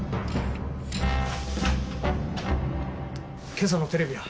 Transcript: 今朝のテレビは？